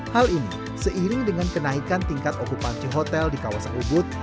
hal ini seiring dengan kenaikan tingkat okupansi hotel di kawasan ubud